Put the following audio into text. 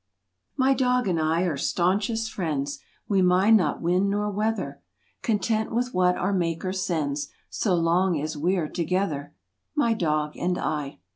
m y dog and I are staunchest friends; We mind not wind nor weather; Content with what our Maker sends So long as we're together— My dog and I.